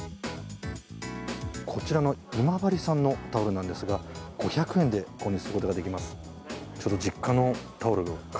こちらの今治産のタオルなんですが、５００円で購入することができます。